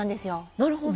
なるほど。